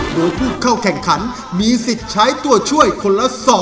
โดยผู้เข้าแข่งขันมีสิทธิ์ใช้ตัวช่วยคนละ๒